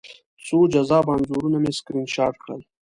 څو جذابه انځورونه مې سکرین شاټ کړل